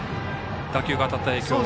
打球が当たった影響は。